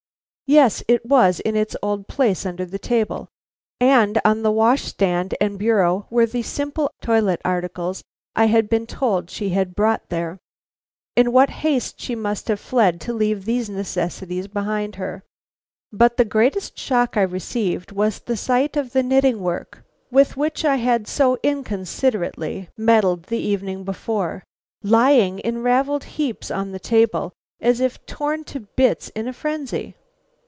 Yes, it was in its old place under the table; and on the wash stand and bureau were the simple toilet articles I had been told she had brought there. In what haste she must have fled to leave these necessities behind her! But the greatest shock I received was the sight of the knitting work, with which I had so inconsiderately meddled the evening before, lying in ravelled heaps on the table, as if torn to bits in a frenzy.